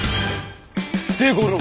ステゴロ？